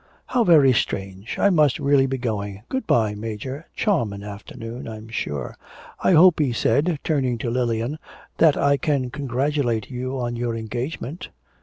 'How very strange. I must really be going. Good bye, Major, charmin' afternoon, I'm sure.' 'I hope,' he said, turning to Lilian, 'that I can congratulate you on your engagement?'